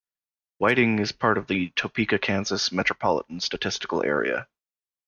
Whiting is part of the Topeka, Kansas Metropolitan Statistical Area.